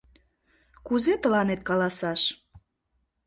— Кузе тыланет каласаш?